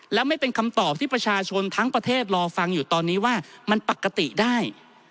และไม่เป็นคำตอบที่ประชาชนทั้งประเทศรอฟังอยู่ตอนนี้ว่ามันปกติได้